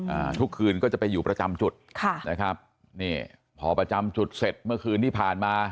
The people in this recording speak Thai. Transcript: อ่าทุกคืนก็จะไปอยู่ประจำจุดค่ะนะครับนี่พอประจำจุดเสร็จเมื่อคืนที่ผ่านมา